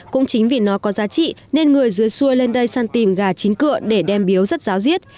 cũng chính vì nó có giá trị nên người dưới xuôi lên đây săn tìm gà chín cựa để đem biếu rất giáo diết